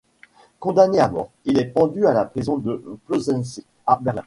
Condamné à mort, il est pendu à la prison de Plötzensee, à Berlin.